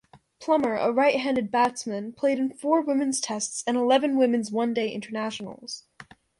Plummer, a right-handed batsman, played in four women's Tests and eleven women's one-day internationals.